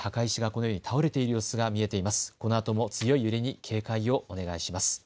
このあとも強い揺れに警戒をお願いします。